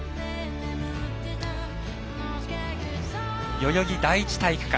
代々木第一体育館。